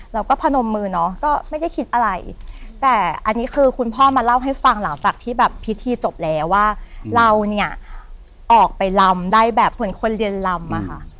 พนมมือเนาะก็ไม่ได้คิดอะไรแต่อันนี้คือคุณพ่อมาเล่าให้ฟังหลังจากที่แบบพิธีจบแล้วว่าเราเนี่ยออกไปลำได้แบบเหมือนคนเรียนลำอะค่ะ